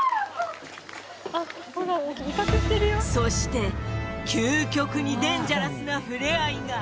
そして究極にデンジャラスな触れ合いが